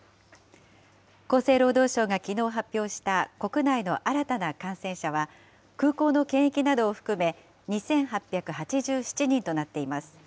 厚生労働省がきのう発表した国内の新たな感染者は、空港の検疫などを含め、２８８７人となっています。